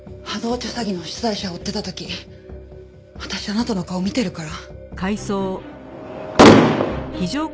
詐欺の主催者を追ってた時私あなたの顔見てるから。